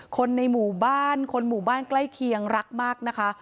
คนในหมู่บ้านคนหมู่บ้านใกล้เคียงรักมากนะคะ